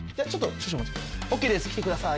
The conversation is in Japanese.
ＯＫです来てください。